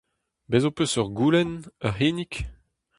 Bez' ho peus ur goulenn, ur c'hinnig ?